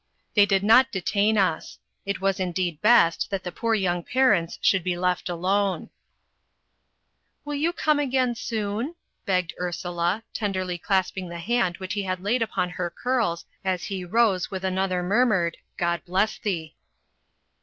They did not detain us: it was indeed best that the poor young parents should be left alone. "You will come again soon?" begged Ursula, tenderly clasping the hand which he had laid upon her curls as he rose with another murmured "God bless thee!"